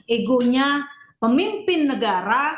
egonya pemimpin negara